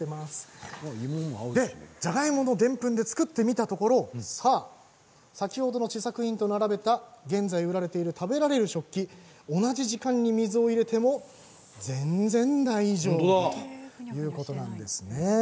じゃがいものでんぷんで作ってみたところ先ほどの試作品と並べた現在、売られている食べられる食器同じ時間水を入れても全然大丈夫です。